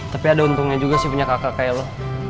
tapi ada untungnya juga sih punya kakak kayak lo